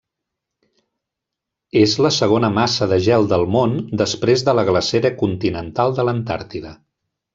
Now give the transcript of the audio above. És la segona massa de gel del món després de la glacera continental de l'Antàrtida.